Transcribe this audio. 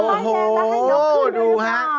โอ้โหดูฮะ